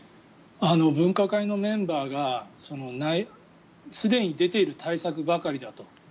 分科会のメンバーがすでに出ている対策ばかりだと。